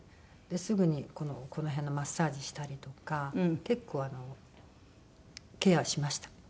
ですぐにこの辺のマッサージしたりとか結構あのケアしました。